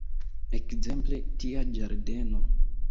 Ekzemple, tia ĝardeno!